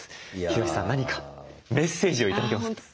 ヒロシさん何かメッセージを頂けますか？